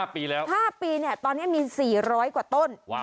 ๕ปีตอนนี้มี๔๐๐กว่าต้น